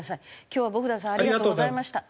今日はボグダンさんありがとうございました。